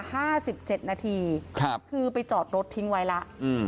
ห้าสิบเจ็ดนาทีครับคือไปจอดรถทิ้งไว้แล้วอืม